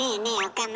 岡村。